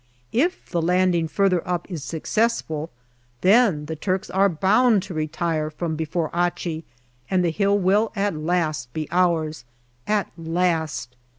If the landing further up is successful, then the Turks are bound to retire from before Achi, and the hill will at last be ours. At last